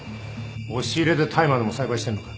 押し入れで大麻でも栽培してんのか